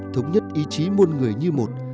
thống nhất ý chí môn người như một